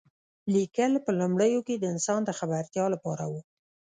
لیکل په لومړیو کې د انسان د خبرتیا لپاره و.